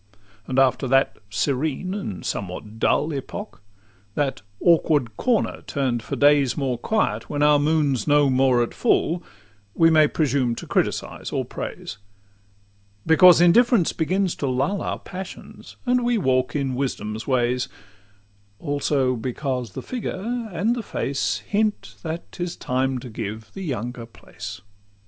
IV And after that serene and somewhat dull Epoch, that awkward corner turn'd for days More quiet, when our moon's no more at full, We may presume to criticise or praise; Because indifference begins to lull Our passions, and we walk in wisdom's ways; Also because the figure and the face Hint, that 't is time to give the younger place.